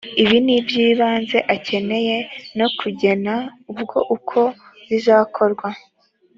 ibi ni iby ibanze akeneye no kugena ubwo uko bizakorwa